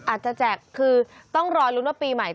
แจกคือต้องรอลุ้นว่าปีใหม่